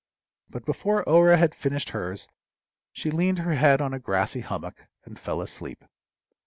But before Orah had finished hers she leaned her head on a grassy hummock, and fell asleep.